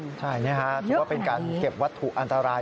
ใช่นะครับถูกว่าเป็นการเก็บวัตถุอันตราย